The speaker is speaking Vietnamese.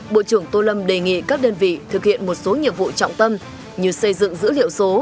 bộ trưởng tô lâm đề nghị các đơn vị thực hiện một số nhiệm vụ trọng tâm như xây dựng dữ liệu số